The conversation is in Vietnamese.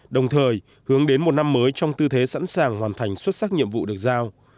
đồng thời hướng đến một năm mới trong tư thế sẵn sàng hoàn thành xuất sắc nhiệm vụ được giao